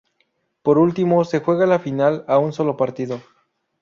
Por último se juega la final a un solo partido.